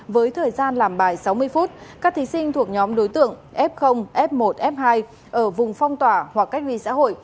với thời gian làm bài sáu mươi phút các thí sinh thuộc nhóm đối tượng f f một f hai ở vùng phong tỏa hoặc cách ly xã hội